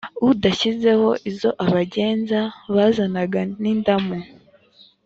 udashyizeho izo abagenza bazanaga n’indamu